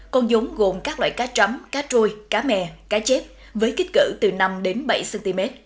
con giống gồm các loại cá chấm cá trôi cá mè cá chép với kích cỡ từ năm đến bảy cm